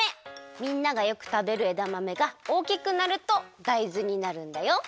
みんながよくたべるえだまめがおおきくなるとだいずになるんだよ。